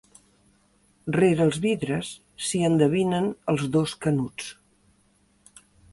Rere els vidres s'hi endevinen els dos Canuts.